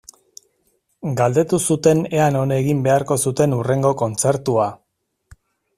Galdetu zuten ea non egin beharko zuten hurrengo kontzertua.